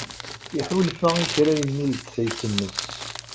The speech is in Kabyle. Iḥulfa i kra yennul-d tayet-nnes.